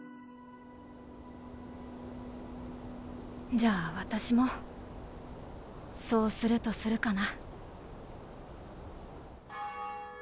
じゃあ私もそうするとするかな。